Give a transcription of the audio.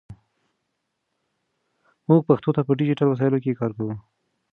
موږ پښتو ته په ډیجیټل وسایلو کې کار کوو.